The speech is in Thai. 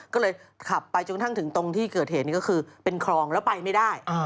ก็เลยขับไปจนกระทั่งถึงตรงที่เกิดเหตุนี้ก็คือเป็นคลองแล้วไปไม่ได้